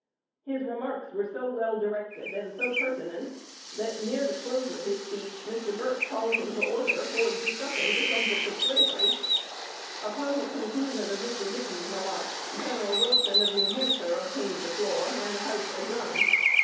His remarks were so well directed and so pertinent, that, near the close of his speech, Mr. Burt called him to order, for discussing the subject of slavery. Upon the conclusion of Mr. Dickey's remarks, General Wilson of New Hampshire obtained the floor, and the House adjourned.